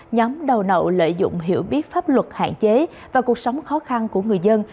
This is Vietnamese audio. nhóm đầu nậu lợi dụng hiểu biết pháp luật hạn chế và cuộc sống khó khăn của người dân